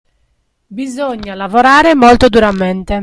Bisogna lavorare molto duramente.